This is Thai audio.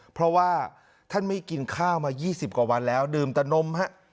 เพราะว่าท่านไม่กินข้าวมา๒๐กว่าวันแล้วดื่มตะนมฮะ